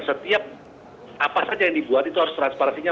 setiap apa saja yang dibuat itu harus transparansinya